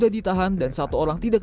daripada laporannya kegurian terjaya